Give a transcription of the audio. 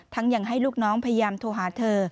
ทั้งอย่างให้ลูกน้องพยายามโทรหาเธอ